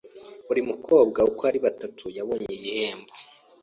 Buri mukobwa uko ari batatu yabonye igihembo.